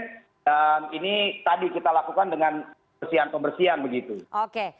dan ini tadi kita lakukan dengan pembersihan pembersihan begitu